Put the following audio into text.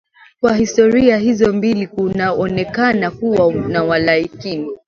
Kwa historia hizo mbili kunaonekana kuwa na walakini